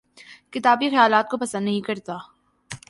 کتابی خیالات کو پسند نہیں کرتا